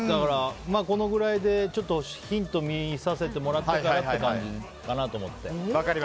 このくらいでちょっとヒント見させてもらってからという感じかなと思って。